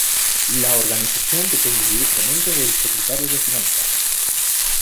La organización depende directamente del Secretario de Finanzas.